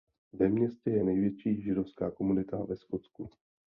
Ve městě je největší židovská komunita ve Skotsku.